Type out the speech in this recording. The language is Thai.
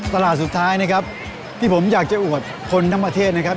สุดท้ายนะครับที่ผมอยากจะอวดคนทั้งประเทศนะครับ